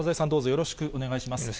よろしくお願いします。